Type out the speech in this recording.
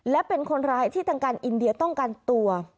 และเป็นคนร้ายที่ทางการอินเดียต้องการตัว